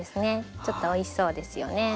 ちょっとおいしそうですよね。